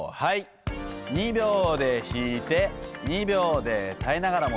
２秒で引いて２秒で耐えながら戻す。